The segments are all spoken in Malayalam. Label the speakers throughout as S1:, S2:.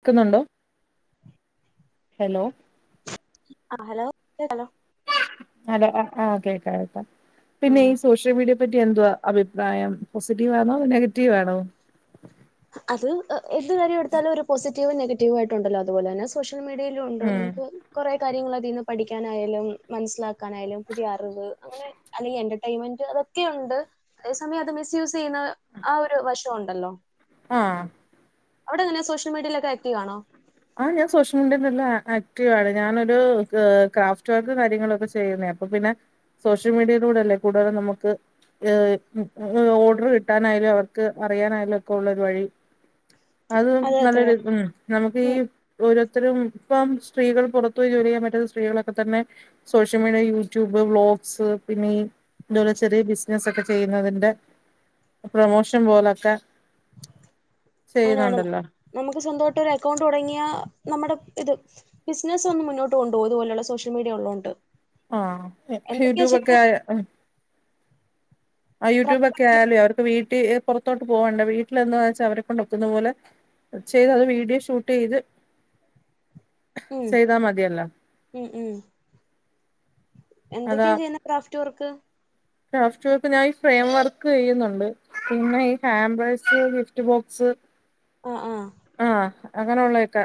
S1: ക്ക്‌ന്നുണ്ടോ ഹലോ
S2: ആഹ് ഹലോ ഹലോ
S1: ഹല്ലോ ആഹ് കേക്കാം കേക്കാം പിന്നെ
S2: ഉം
S1: ഈ സോ ഷ്യൽ മീഡിയെ പറ്റി എന്തുവാ അഭിപ്രായം പോസിറ്റീവാണോ നെഗറ്റീവാണോ?
S2: അത് എഹ് എന്ത് കാര്യെട്ത്താലും ഒരു പോസിറ്റീവും നെഗറ്റീവായിട്ടുണ്ടല്ലോ അത്പോലെന്നെ സോഷ്യൽ മീഡിയയി ലുണ്ട്
S1: ഉം
S2: നമക്ക് കൊറെ കാര്യങ്ങൾ അതിന്ന് പഠിക്കാനായാലും മൻസ്സിലാക്കാനായാലും പുതിയറിവ് അങ്ങനെ അല്ലെങ്കി എ റ്റയ്മെൻ്റ് അതൊക്കെയുണ്ട് അതേ സമയം അത് മിസ് യൂസ് ചെയ്യുന്ന ആ ഒര് വശുണ്ടല്ലോ
S1: ആഹ്
S2: അവടെങ്ങെനെ സോഷ്യ മീഡിയിലൊക്കെ ആക്ടീവാണോ?
S1: ആഹ് ഞാൻ സോഷ്യൽ മീഡിയയിൽ നല്ല ആക്റ്റീവാണ് ഞാനൊരു ഏഹ് ക്രാഫ്റ്റ് വർക്കും കാര്യങ്ങളൊക്കെ ചെയ്യുന്നേ അപ്പൊ പിന്നെ സോഷ്യൽ മീഡിയയിലൂടെ അല്ലേ കൂടുതലും നമക്ക് ഏഹ് ഓർഡർ കിട്ടാനായാലും അവർക്ക് അറിയാനായാലും ഒക്കെ ഉള്ളൊരു വഴി അത്
S2: അതെ അതെ
S1: നല്ലരു ഉം നമക്ക്
S2: ഉം
S1: ഓരോത്തരും ഇപ്പം സ്ത്രീകൾ പൊറത്ത് പോയി ജോലി ചെയ്യാൻ പറ്റാത്ത സ്ത്രീകളൊക്കെ തന്നെ സോഷ്യൽ മീഡിയ, യൂട്യൂബ്, വ്ളോഗ്സ് പിന്നെ ഈ ഇതേപോലെ ചെറിയ ബിസിനസൊക്കെ ചെയ്യുന്നതിന്റെ പ്രമോഷൻ പോലൊക്കെ
S2: അങ്ങനാണ്
S1: ചെയ്യുന്നുണ്ടല്ലോ
S2: ഞമക്ക് സ്വന്തായിട്ടൊരു അക്കൗണ്ട് തൊടങ്ങ്യാ നമ്മടെ ഇത് ബിസിനസൊന്നും മുന്നോട്ടു കൊണ്ട് പോവും ഇത്പോലുള്ള സോഷ്യൽ മീഡിയ ഉള്ളോണ്ട്.
S1: ആഹ്
S2: എന്തൊക്കെയാ
S1: യൂട്യൂബ് ഒക്കെ
S2: ചെയ്യുന്നെ
S1: അഹ് ആഹ് യൂട്യൂബൊക്കായാലോ അവർക്ക് വീട്ടി എഹ് പൊറത്തോട്ട് പോവണ്ട വീട്ടിലെന്നാന്നെച്ചാ അവരെ കൊണ്ടൊക്കുന്ന പോലെ വെച്ചാല് [unintelligible] വീഡിയോ ഷൂട്ടെയ്ത്
S2: ഉം ഉം ഉം
S1: അതാ
S2: എന്തൊക്കെ ചെയ്യുന്നെ ക്രാഫ്റ്റ് വർക്ക്?
S1: ക്രാഫ്റ്റ് വർക്ക് ഞാൻ ഫ്രെയിം വർക്ക് ചെയ്യുന്നുണ്ട് പിന്നെ ഈ ഹാംബേസ്, ഗിഫ്റ്റ് ബോക്സ്
S2: ആഹ് ആഹ്
S1: ആഹ് അങ്ങനെള്ളെക്കെ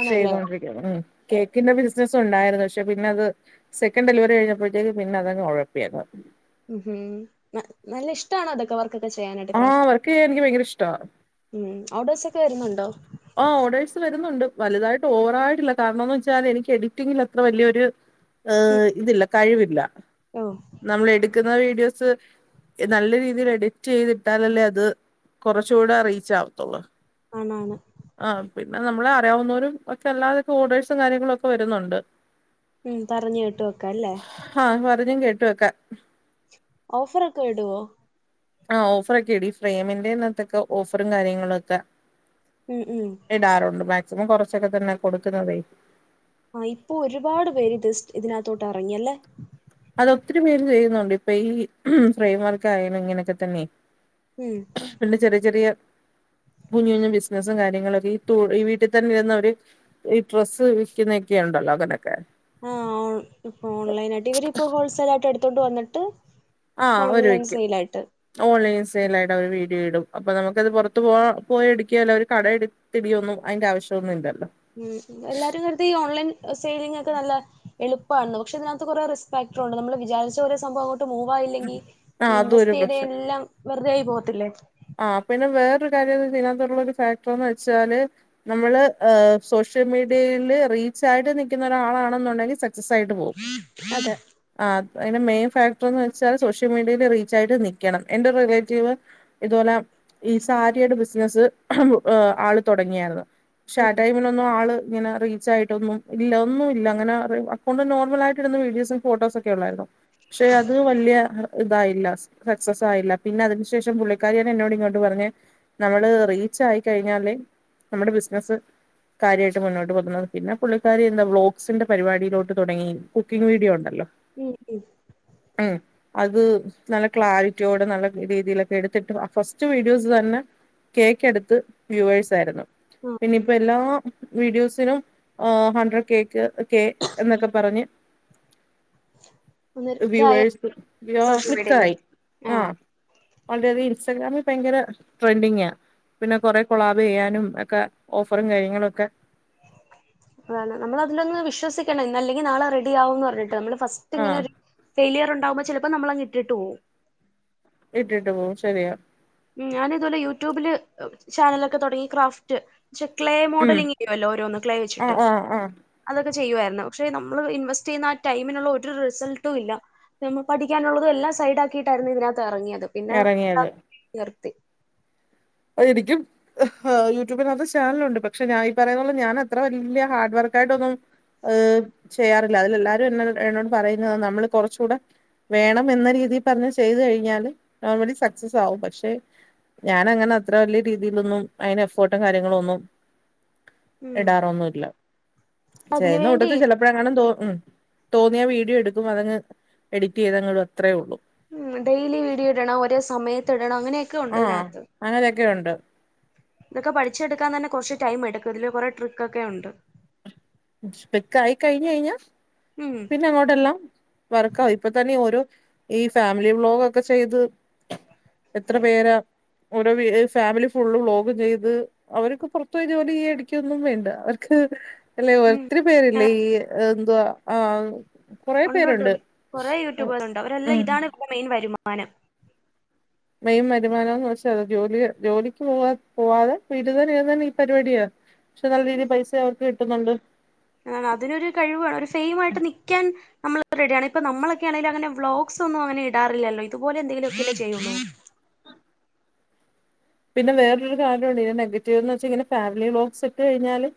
S2: ആണല്ലേ
S1: ചെയ്തോണ്ടിരിക്കയാണ് ഉം കേക്കിൻ്റൊരു ബിസിനസുണ്ടായിരുന്നു പക്ഷെ പിന്നത് സെക്കൻഡ് ഡെലിവറി കഴിഞ്ഞപ്പഴത്തേക്ക് പിന്നതങ് ഒഴപ്പിയ താ
S2: ഉം ഹും ന നല്ലെഷ്ടാണോ അതൊക്കെ വർക്കൊക്കെ ചെയ്യാനായിട്ട്
S1: ആഹ്
S2: ക്രാഫ്റ്റ്
S1: വർക്ക് ചെയ്യാൻ എനിക്ക് ഭയങ്കര ഇഷ്ടവാ
S2: ഉം ഓടസൊക്കെ വരുന്നുണ്ടോ
S1: ആ ഓഡേഴ്സ് വരുന്നുണ്ട് വലുതായിട്ട് ഓവറായിട്ടില്ല കാരണംന്ന് വെച്ചാൽ എനിക്ക് എഡിറ്റിംഗിൽ അത്ര വലിയൊരു ഏ
S2: ഉം
S1: ഇതില്ല കഴിവില്ല
S2: ഓ
S1: നമ്മൾ എടുക്കുന്ന വീഡിയോസ് നല്ല രീതിയിൽ എഡിറ്റ് ചെയ്തിട്ടാലല്ലേ അത് കുറച്ചുകൂടെ അറീച്ച് ആവത്തുള്ളൂ
S2: ആണാണ്
S1: ആഹ് പിന്നെ നമ്മളെ അറിയാവുന്നവരും ഒക്കെ അല്ലാതൊക്കെ ഓർഡേഴ്സും കാര്യങ്ങളും ഒക്കെ വരുന്നുണ്ട്
S2: ഉം പറഞ്ഞു കേട്ട് വെക്ക അല്ലേ
S1: ഹാ [unintelligible] കേട്ട് വെക്കാ.
S2: ഓഫർ ഒക്കെ ഇടുവോ
S1: ആഹ് ഓഫറൊക്കെ എടി ഫ്രേമിന്റെന്നത്തൊക്കെ ഓഫറും കാര്യങ്ങളും ഒക്കെ
S2: ഉം ഉം
S1: ഇടാറുണ്ട് മാക്സിമം കുറച്ചൊക്കെ തന്നെ കൊടുക്കുന്നതേ
S2: ആഹ് ഇപ്പൊ ഒരുപാട് പേര് ഇത്സ്റ്റ് ഇതിനകത്തോട്ട് ഇറങ്ങിയല്ലേ
S1: അതൊത്തിരി പേര് ചെയ്യുന്നുണ്ട് ഇപ്പൊ ഈ ഫ്രെയിം വർക്ക് ആയാലും ഇങ്ങനെയൊക്കെ തന്നെ
S2: ഉം
S1: പിന്നെ ചെറിയ ചെറിയ കുഞ്ഞു കുഞ്ഞു ബിസിനസ്സും കാര്യങ്ങളൊക്കെ ഈ ഈ വീട്ടിൽ തന്നെ ഇരുന്ന ഒരു ഈ ഡ്രസ്സ് വിക്കുന്നൊക്കെയ ഉണ്ടല്ലോ അങ്ങനൊക്കെ
S2: ആഹ് ഓ ഇപ്പൊ ഓൺലൈൻ ആയിട്ട് ഇവര്പ്പോ ഹോൾസെൽ ആയിട്ട് എടുത്തോണ്ട് വന്നിട്ട്
S1: ആഹ് ഓര്
S2: ഓൺലൈൻ
S1: വിക്കും
S2: സെയിലായിട്ട്
S1: ഓൺലൈൻ സെയിലായിട്ട് അവര് വീഡിയോ ഇടും അപ്പൊ നമുക്കത് പുറത്തത്ത് പോ പോയ എടുകേലാ ഒരു കടയെട് തിടിയൊന്നും അതിന്റെ ആവിശോന്നും ഇല്ലല്ലോ
S2: ഉം എല്ലാരും ഇങ്ങനത്തെ ഈ ഓൺലൈൻ സെിയിലിംങ്ങോക്കെ നല്ല എളുപ്പാണെന്ന് പക്ഷേ ഇതിനകത്ത് കുറെ റിസ്ക് ഫാക്ടർ ഉണ്ട് നമ്മള് വിചാരിച്ച പോലെ സംഭവം അങ്ങോ മൂവായില്ലെങ്കി
S1: ആഹ് അതും ഒരു
S2: ഇൻവെസ്റ്റ് ചെയ്ത
S1: പ്രശ്നം
S2: എല്ലാം വെറുതെ ആയി പോകത്തില്ലേ
S1: ആഹ് പിന്നെ വേറൊരു കാര്യം ഇതിനകത്തുള്ള ഒരു ഫാക്ടർന്ന് വെച്ചാല് നമ്മള് സോഷ്യൽ മീഡിയയില് റീച്ച് ആയിട്ട് നിക്കുന്ന ഒരാളാണെന്നുണ്ടെങ്കി സക് സസായിട്ട് പോവും
S2: അതെ
S1: ആഹ് അതിന്റെ മെയിൻ ഫാക്ടർന്ന് വെച്ചാൽ സോഷ്യൽ മീഡിയയിൽ റീച്ചായിട്ട് നിക്കണം എന്റെ റിലേറ്റീവ് ഇതുപോല ഈ സാരിയുടെ ബിസിനസ്സ് ആള് തുടങ്ങിയാരുന്നു ക്ഷെ ആ ടൈമിനൊന്നും ആള് ഇങ്ങന റീ ച്ചായിട്ടൊന്നും ഇല്ല ഒന്നും ഇല്ല അങ്ങനെ അക്കൗണ്ട് നോർമലായിടുന്ന വീഡിയോസും ഫോട്ടോസൊക്കെ ഉള്ളായിരുന്നു പക്ഷെ അത് വലിയ ഇതായില്ല സക്സസ് ആയില്ല പിന്നെ അതിനു ശേഷം പുള്ളി കാര്യാണ് എന്നോട് ഇങ്ങോട്ട് പറഞ്ഞെ നമ്മള് റീച്ച് ആയി കഴിഞ്ഞാലേ നമ്മുടെ ബിസിനസ് കാര്യമായിട്ട് മുന്നോട്ട് പോകുന്നത് പിന്നെ പുള്ളിക്കാരി ഇരുന്ന് വ്ലോഗ്സിന്റെ പരിപാടിയിലോട്ട് തൊടങ്ങി കുക്കിംഗ് വീഡിയോ ഉണ്ടല്ലോ
S2: ഉം ഉം
S1: ഉം അത് നല്ല ക്ലാരിറ്റിയോടെ നല്ല രീതിയിലൊക്കെ എടു ത്തിട്ട് ഫസ്റ്റ് വീഡിയോസ് തന്നെ കേക്ക് അടുത്ത് വ്യൂവേഴ്സ് ആയിരുന്നു
S2: ഉം
S1: പിന്നിപ്പൊ എല്ലാ വീഡിയോസിനും ആഹ് ഹഡ്രഡ് കേക്ക് കെ എന്നൊക്കെ പറഞ്ഞ്
S2: അന്നേരം ഇതായ
S1: വ്യൂവേഴ്സ് [unintelligible]
S2: സോഷ്യൽ മീഡിയയിലെ
S1: ക്ലിക്കായി ആഹ് വളരെയധികം ഇൻസ്റ്റാഗ്രാമിൽ ഭയങ്കര ട്രെൻഡിങ പിന്നെ കൊറെ കൊളാബ് ചെയ്യാനും ഒക്കെ ഓഫറും കാര്യങ്ങളൊക്കെ
S2: അതാണ് നമ്മളതിലൊന്ന് വിശ്വസിക്കണം ഇന്ന് അല്ലെങ്കി നാളെ റെഡിയ ആകുംന്ന് പറഞ്ഞിട്ട് നമ്മള് ഫസ്റ്റ് ഇങ്ങനെ
S1: ആഹ്
S2: ഒരു ഫെയിലിയർ ഉണ്ടാവുമ്പോ ചിലപ്പോ നമ്മൾങ്ങിട്ടിട്ട് പോവും
S1: ഇട്ടിട്ട് പോവും ശരിയാ
S2: ഉം ഞാനിതുപോലെ യൂട്യൂബില് ചാനലൊക്കെ തുടങ്ങി ക്രാഫ്റ്റ് ക്ഷേ ക്ലേ
S1: ഉം
S2: മോഡലിംഗ് ചെയ്യുമല്ലോ ഓരോന്ന് ക്ലേ വെച്ചിട്ട്
S1: ആഹ് ആഹ് ആഹ്
S2: അതൊക്കെ ചെയ്യുവായിരുന്നു പക്ഷെ നമ്മള് ഇൻവെസ്റ്റ് ചെയ്യുന്ന ആ ടൈമിനുള്ള ഒരു റിസൾട്ടും ഇല്ല ന പഠിക്കാനുള്ളതും എല്ലാം സൈഡ് ആക്കിയിട്ടായിരുന്നു ഇതിനകത്ത് ഇറങ്ങിയത് പിന്ന
S1: എറങ്ങിയത്
S2: നിർത്തി
S1: അതെരിക്കും ആഹ് യൂട്യൂബിനകത്തെ ചാനലുണ്ട് പക്ഷെ ഞാ ഈ പറയുന്ന പോലെ ഞൻ അത്ര വല്യ ഹാർഡ് വർക്കായിട്ടൊന്നും ഏ്ഹ് ചെയ്യാറില്ല അതിലെല്ലാരും എന്ന എന്നോട് പറയുന്നത നമ്മള് കുറച്ചുടെ വേണം എന്ന രീതിയിൽ തന്നെ ചെയ്തു കഴിഞ്ഞാല് നോർമലി സക്സസ് ആകും പക്ഷെ ഞാനങ്ങനെ അത്ര വലിയ രീതിയിലൊന്നും അയിന് എഫർട്ടും കാര്യങ്ങളും ഒന്നും
S2: ഉം
S1: ഇടാറൊന്നുല്ല
S2: അതിന്
S1: ചേയ്യുന്ന
S2: വേണ്ടി
S1: കൂട്ടത്തി ചിലപ്പോ അപ്പോഴെ ങ്ങാനും തോ ഉ തോന്നിയ വീഡിയോ എടുക്കുംഅതങ്ങ് എഡിറ്റ് ചെയ്തങ്ങ് ഇടും അത്രേ ഒള്ളൂ
S2: ഉം ഡെയിലി വീഡിയോ ഇടണം ഒരോ സമയത്ത് ഇടണം അങ്ങനെയൊക്കെ ഉണ്ട് ഇതിനകത്ത്
S1: അങ്ങനെക്കെ ഉണ്ട്
S2: ഇതൊ പഠിച്ചടുക്കാൻ തന്നെ കുറച്ച് ടൈം എടുക്കും ഇതില് കുറെ ട്രിക്കൊക്കെ ഉണ്ട്
S1: ക്ലിക്കായിക്കയി കയിഞ് കയിഞ്ഞ
S2: ഉം
S1: പിന്ന ആങ്ങോട്ടെല്ലാം വർക്കാവും ഇപ്പൊ തന്നെ ഓരോ ഈ ഫാമിലി വ്ലോഗോക്കെ ചെയ്ത് എത്ര പേരാ ഓരോ വീ ഫാമിലി ഫുള്ള് വ്ളോഗ് ചെയ്ത് അവര് ക്ക് പുറത്ത പോയി ജോലി അടിക്കൊന്നും വേണ്ട അവർക്ക് എല്ലെ
S2: ഉം
S1: ഒത്തിരി പേരില്ലേ ഈ എന്തുവ ആഹ്
S2: ഉണ്ടൊണ്ട് കുറേ യൂട്യൂബേർ ഉണ്ട് അവരെല്ലാം
S1: ഉം
S2: ഇതാണ് ഇവിടെ മെയിൻ വരുമാനം
S1: മെയും വരുമാനംന്ന് വെച്ചാ ജോലി ജോലിക്ക് പോവാ പോവാതെ വീട്ടിതന്നേ ഈ പരിപാടിയാണ് പക്ഷെ നല്ല രീതി പൈസേ അവർക്ക് കിട്ടുന്നുണ്ട്
S2: അഹ് അതിനൊരു കഴിവ്‌ വേണം ഒരു സെയിം ആയിട്ട് നിക്കാൻ നമ്മള് റെഡിയാണ് ഇപ്പ നമ്മളൊക്കെയാണെങ്കില് അങ്ങനെ ബ്ലോഗ്സ് ഒന്നും അങ്ങനെ ഇടാറി ല്ലല്ലോ ഇത് പോലെ എന്തെങ്കിലൊക്കെ ചെയ്യുള്ളു
S1: പിന്നെ വേറൊരു കാരണമുണ്ട് നെഗറ്റീവെന്ന് വെച്ച് ഫാമിലി വ്ലോഗ്സ്ഇട്ട് കഴിഞ്ഞാല്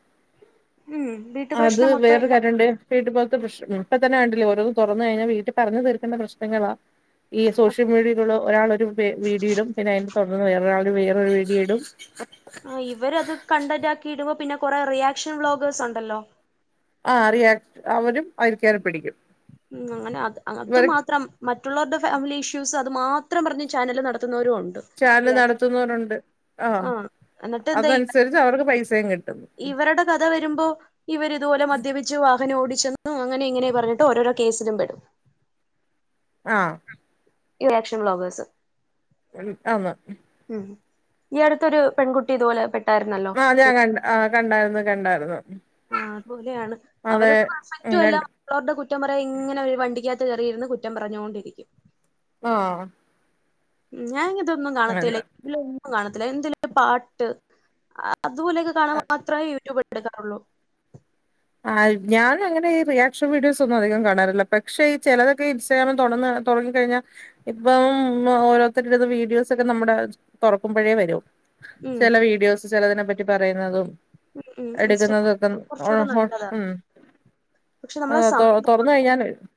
S2: ഉം വീട്ടു
S1: അത്
S2: പ്രശ്നം മൊത്തം
S1: വേറൊരു
S2: ഇല്ല
S1: കാര്യണ്ട് വീട്ടിൽ പോലത്തെപ്രശ്നങ്ങൾ ഇപ്പ തന്നെ കണ്ടില്ലേ ഓരോന്ന് തുറന്ന് കഴിഞ്ഞാ വീട്ടിൽ പറഞ്ഞു തീർക്കണ്ട പ്രശ്നങ്ങളാ ഈ സോഷ്യൽ മീഡിയയിലൂടെ ഒരാൾ ഒരു വീഡിയോയിടും പിന്നെ അതിന്റെ തുടർന്ന് വേറൊരാൾ വേറൊരു വീഡിയോയിടും
S2: ആ ഇവരത് കണ്ടന്റാക്കി ഇടുമ്പോ പിന്നെ കൊറേ റിയാക്ഷൻ വ്ളോഗേഴ്സ് ഉണ്ടല്ലോ
S1: ആ റിയാക്ട് അവരും അയില് കേരി പിടിക്കും
S2: ഉം അങ്ങനെ അത്
S1: ഇവർ
S2: അതുമാത്രം മറ്റുള്ളവരുടെ ഫാമിലി ഇഷ്യൂസ് അത് മാത്രം പറഞ്ഞ് ചാനല് നടത്തുന്നവരും ഉണ്ട്
S1: ചാനല് നടത്തുന്നോരുണ്ട് ആന്
S2: ആഹ് എന്നിട്ട് എന്താ
S1: അതനുസരിച്ച് അവർക്ക് പൈസയും കിട്ടും
S2: ഇവരുടെ കഥ വരുമ്പോ ഇവര് ഇതുപോലെ മദ്യപിച്ച് വാഹനം ഓടിച്ചെന്നും അങ്ങനെ ഇങ്ങനെ പറഞ്ഞിട്ട് ഓരോരോ കേസിലുംപ്പെടും
S1: ആഹ്
S2: റിയാക്ഷൻ വ്ളോഗേഴ്സ്
S1: ഉം ആന്
S2: ഉം ഈ അടുത്തൊരു പെൺകുട്ടി ഇതുപോലെ പെട്ടായിരുന്നല്ലോ
S1: അത് ഞാൻ ക ആ കണ്ടായിരുന്നു കണ്ടായിരുന്നു
S2: ആ അതുപോലെയാണ്
S1: അതെ
S2: അവരൊട്ട്
S1: ഉം,
S2: പെർഫെക്റ്റും അല്ലാ
S1: രണ്ട്
S2: അവർ ടെ കുറ്റം പറയും ഇങ്ങനെ ഒരു വണ്ടിക്കകത്ത് കയറിയിരുന്ന് കുറ്റം പറഞ്ഞോണ്ടിരിക്കും
S1: ആഹ്
S2: ഞാൻ ഇതൊന്നും കാണത്തില്ല
S1: അതെ
S2: ഇല്ല ഒന്നും കാണത്തില്ല എന്തേലൊന്ന് പാട്ട് അതുപോലൊക്കെ കാണൻ മാത്രമേ യൂട്യൂബ് എടുക്കാറുള്ളൂ
S1: ആ ഞാനങ്ങനെ ഈ റിയാക്ഷൻ വീഡിയോസ് ഒന്നും അധികം കാണാറില്ല പക്ഷെ ഈ ചിലതൊക്കെ ഇൻസ്റ്റഗ്രാമിൽ തുടന്നാ തുടങ്ങി കഴിഞ്ഞാൽ ഇപ്പം ഓരോരുത്തരുടെത് വീഡിയോസൊക്കെ നമ്മുടെ തുറക്കുമ്പോഴേ വരും
S2: ഉം.
S1: ചില വീഡിയോസ് ചിലതിനെ പറ്റി പറയുന്നതും
S2: ഉം ഉം.
S1: എടുക്കുന്നതും
S2: ഇൻസ്റ്റാഗ്രാം കുറച്ചുകൂടെ നല്ലതാ.
S1: ഒക്കെ ഉം
S2: പക്ഷെ നമ്മളെ
S1: ആ
S2: സമയം
S1: തുറന്ന് കഴിഞ്ഞാൻ വരും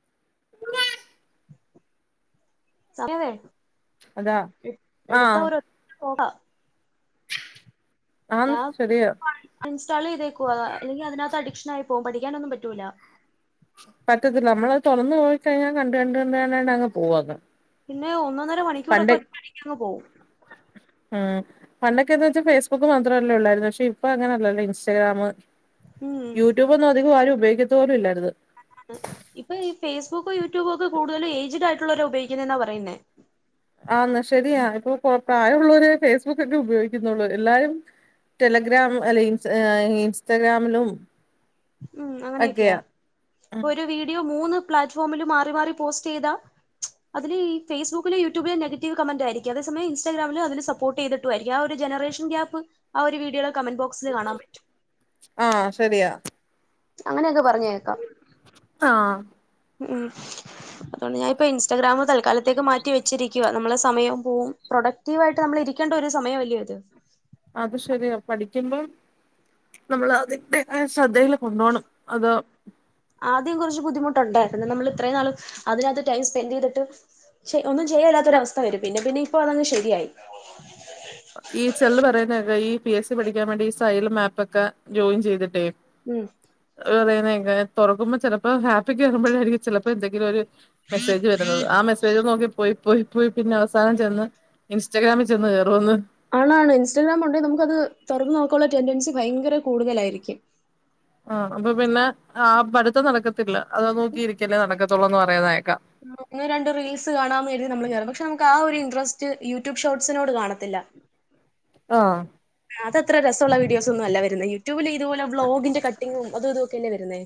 S1: അതാ
S2: [unintelligible] എടുത്താ
S1: ആഹ്
S2: ഒരു ഒറ്റ പോക്കാ
S1: ആന്ന്
S2: ഞാൻ
S1: ശരിയാ
S2: അൺഇൻസ്റ്റാള് ചെയ്തേക്കാ അല്ലെങ്കിൽ അതിനകത്ത് അഡിക്ഷൻ ആയി പോം പഠിക്കാനൊന്നും പറ്റൂല്ല
S1: പറ്റത്തില്ല നമ്മളത് തൊറന്ന് പോയി കഴിഞ്ഞാ കണ്ട കണ്ട് കണ്ട് അങ്ങ് പോ അങ്ങ്
S2: പിന്നെ ഒന്നൊന്നര
S1: പണ്ട്
S2: മണിക്കൂറൊക്കെ ഒറ്റടിക്ക്ങ്ങ് പോം
S1: ഉം പണ്ടൊക്കെന്ന് വെച്ചാ ഫേസ്ബുക്ക് മാത്രൊല്ലേ ഒള്ളാര്ന്ന് ഷിപ്പങ്ങനല്ലല്ലോ ഇൻസ്റ്റഗ്രാമ്
S2: ഉം.
S1: യൂട്യൂബൊന്നും അധികം ആരും ഉപയോക്കത്ത് പോലുല്ലാര്ന്ന്
S2: ഇപ്പ ഈ ഫേസ്ബുക്കും യൂട്യൂബൊക്കെ കൂടുതലും ഏയ്ജിഡായ്ട്ടുള്ളോരാ ഉപയോക്കിന്നേന്നാ പറയുന്നേ
S1: ആന്ന് ശരിയാ ഇപ്പം പ്രായൊള്ളോരെ ഫേസ്ബുക്കൊക്കെ ഉപയോഗിക്കുന്നുള്ളൂ എല്ലാരും ടെലഗ്രാം അല്ലെ ഇൻസ്റ്റഗ്രാമിലും
S2: ഉം അങ്ങനൊക്ക്യാ ഇപ്പൊ ഒരു വീഡിയോ മൂന്ന് പ്ലാറ്റ്ഫോമില് മാറി മാറി പോസ്റ്റെയ്താ
S1: ഉ
S2: അതില് ഈ ഫൈസ്ബുക്കിലു യൂട്യൂബിലു നെഗറ്റീവ്‌ കമന്റായിര്ക്ക അതേ സമയം ഇൻസ്റ്റാഗാമില് അതില് സപ്പോർട്ടെയ്തി ട്ടുവാരിക്കു ആഹ് ഒരു ജനറേഷൻ ഗ്യാപ്പ് ആഹ് ഒരു വീഡിയോല കമന്റ് ബോക്സില് കാണാൻ പറ്റും
S1: ആഹ് ശരിയാ
S2: അങ്ങനൊക്കെ പറഞ്ഞ് കേക്കാം
S1: ആഹ്
S2: ഉം അതോണ്ട് ഞാപ്പ ഇൻസ് റ്റഗ്രാമ് തൽക്കാലത്തേക്ക് മാറ്റി വെച്ചിരിക്ക്വ നമ്മളെ സമയൊം പോവും പ്രൊഡക്റ്റീവ് ആയിട്ട് നമ്മൾ ഇരിക്കേണ്ട ഒരു സമയം അല്ല്യോ ഇത്
S1: അത് ശരിയാ പഠിക്കുമ്പം നമ്മള് അതിന്റെതായ ശ്രദ്ധേല് കൊണ്ടോണം അത്
S2: ആദ്യം കൊറച്ച് ബുദ്ധിമുട്ടൊണ്ടാര്ന്നു നമ്മള് ഇത്രേം നാളും അതിനാത്ത് ടൈം സ്പെന്റെയ്തിട്ട് ചെ ഒന്നും ചെയ്യാല്ലാത്ത ഒരവസ്ഥ വരും പിന്നെ പിന്നെ ഇപ്പൊ അതങ്ങ് ശരിയായി
S1: ഈ ചെൽര് പറ്യന്നേക്ക ഈ പി എസ് ഇ പഠിക്കാൻ വേണ്ടി ഈ സൈലം ഏപ്പക്കെ ജോയിൻ ചെയ്തിട്ടേ.
S2: ഉം
S1: പറയ്ന്നേക തൊറക്കുമ്പോ ചെലപ്പോ ഏപ്പിക്കേറുമ്പഴാരിക്കും ചെലപ്പം എന്തെങ്കിലൊര് മെസ്സേജ് വര്ന്നത് ആ മെസ്സേജ് നോക്കി പോയി പോയി പോയി പിന്നവസാനം ചെന്ന് ഇൻസ്റ്റഗ്രാമി ചെന്ന് കേറൂന്ന്
S2: ആണ്. ആണ്. ഇൻസ്റ്റാഗ്രാമൊണ്ടെ നമുക്കത് തൊറന്ന് നോക്കാള്ള ടെൻഡൻസി ഭയ്ങ്ക്ര കൂടുതലാരിക്കും.
S1: ആഹ് അപ്പ പിന്നെ ആഹ് പഠിത്തം നടക്കത്തില്ല അതാ നോക്കിരിക്കലേ നടക്കത്തൊള്ളൂന്ന് പറയുന്നേക്കാ
S2: ഒന്നൊ രണ്ടൊ റീൽസ് കാണാന്ന് കെര്തി നമ്മള് കേറും പക്ഷേ ആ ഒര് ഇൻ്റ്രസ്റ്റ് യൂട്യൂബ് ഷോർട്സിനോട് കാണത്തില്ല.
S1: ആഹ്
S2: ആഹ് അതത്ര രസൊള്ള വീഡിയോസൊന്നു അല്ല വര്ന്നേ യൂട്യൂബില് ഇതുപോലെ ബ്ലോഗിന്റെ കട്ടിങ്ങും അത് ഇതു ക്കല്ലെ വര്ന്നേ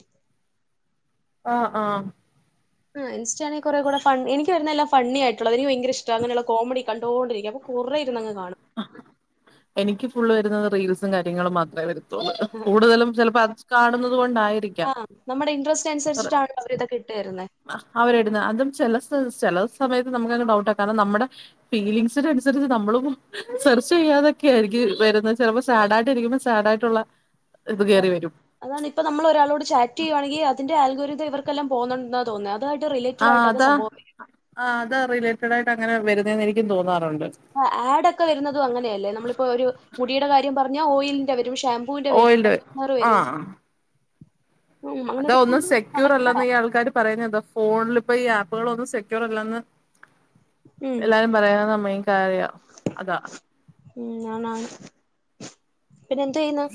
S1: ആഹ് ആഹ്..
S2: ആഹ് ഇൻസ്റ്റാണെ കൊറെ കൂടെ ഫൺ എനിക് വരുന്നെല്ലാം ഫണ്ണി ആയിട്ടൊള്ള എനിക് ഭയ്ങ്ക്ര ഇഷ്ട അനെള്ള കോമഡി കണ്ടോണ്ടിരികാം അപ കൊറെയിര്ന്നങ് കാണും..
S1: എനിക്ക് ഫുള്ള് വര്ന്നത് റീൽസും കാര്യങ്ങളും മാത്രേ വരൂ കൂടുതലും ചെലപ്പോ അത് കാണുന്നത് കൊണ്ടായിരിക്കാം.
S2: ആഹ് ട്ടേരുന്നെ..
S1: അവരെടുന്നെ അതും ചെല സ് ചേലെ സമയത്ത് നമുക്കങ്ങ് ഡൗട്ടാ കാര്ണം നമ്മടെ. ഫീലിംഗസിനൻസരിച്ച് നമ്മളും സെർച്ചെയ്യാതെ. ക്കെ ആയിരിക്കു വര്ന്നേ ചെലപ്പോ സാഡയിട്ട് ഇരിക്കുമ്പൊ സാഡയിട്ടൊള്ള ഇത് കേറി വരും..
S2: അതാണ് ഇപ്പ നമ്മള ഒരാളോട് ചാറ്റെയ്യുവാണെങ്കി അതിന്റെ ആൽകൊരിതം ഇവർക്കെല്ലാം പോന്നൊണ്ടെ തോന്നെ അത്വായിട്ട് റിലേറ്റഡായിട്ടൊക്കെ സംഭൊവം വെ
S1: ആഹ് അത റിലേറ്റഡയിട്ട് അങ്ങനെ വര്ന്നേന്ന് എനിക്കും തോന്നാറൊണ്ട്
S2: ആഹ് ആഡൊക്കെ വര്ന്നതും അങ്ങനെല്ലേ നമ്മളിപ്പോ ഒര മുടീടെ കാര്യം പർഞ്ഞാ ഓയിൽന്റെ വെരും ഷാമ്പൂന്റെ വെരു
S1: ണ്ട് ആഹ്
S2: ഉം
S1: അതോ
S2: അങ്ങനത്
S1: ഒന്ന്
S2: ഫുൾ
S1: സെക്യൂർ
S2: കണക്റ്റഡാ.
S1: അല്ലന്ന് ഈ ആൾക്കാര് പറയ്ന്നന്താ ഫോൺലിപ്പ ഈ ആപ്പുകളൊന്നും സെക്യൂർ അല്ലന്ന്
S2: ഉം
S1: എല്ലാരും പറയ്ന്ന മെയ്ൻ കാര്യ അതാ
S2: മ്മ് ആണാണ് പിന്നെന്തെയ്യുന്നു?